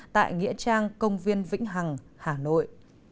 tại nghĩa trang công viên vĩnh hằng hà nội